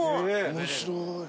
面白い。